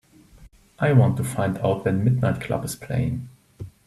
I want to find out when Midnight Club is playing